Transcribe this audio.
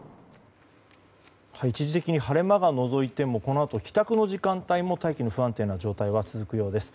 一時的に晴れ間がのぞいてもこのあと、北区の時間帯も大気の不安定な状態は続くようです。